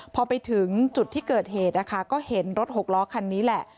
พอไปถึงจุดที่เกิดเหตุนะคะก็เห็นรถหกล้อคันนี้แหละ